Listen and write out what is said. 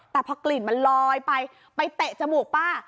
แต่พอกลิ่นมันลอยไปไปเตะจมูกป้า